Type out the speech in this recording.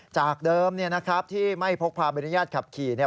จากเดิมที่ไม่พกพาใบอนุญาตขับขี่